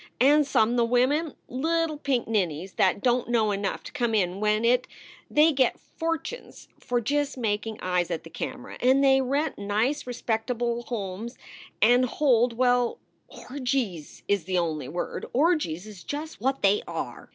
And some the women little pink ninnies that don t know enough to come in when it they get fortunes for just making eyes at the camera, and they rent nice respect ablomes and hold well, orgies is the only word orgies is just what they are.